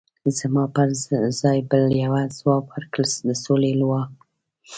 زما پر ځای بل یوه ځواب ورکړ: د سولې لوا.